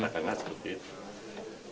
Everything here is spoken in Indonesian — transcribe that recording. karena seperti itu